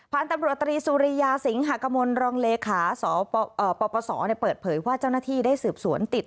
พันธุ์ตำรวจตรีสุริยาสิงหากมลรองเลขาสปสเปิดเผยว่าเจ้าหน้าที่ได้สืบสวนติด